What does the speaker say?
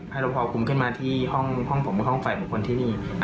รบพอคุมขึ้นมาที่ห้องผมห้องฝ่ายบุคคลที่นี่